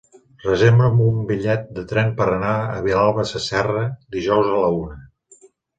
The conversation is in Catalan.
Reserva'm un bitllet de tren per anar a Vilalba Sasserra dijous a la una.